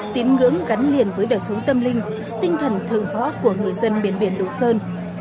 tín ngưỡng gắn liền với đời sống tâm linh tinh thần thường võ của người dân biển lục sơn